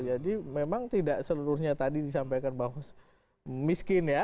jadi memang tidak seluruhnya tadi disampaikan bahwa miskin ya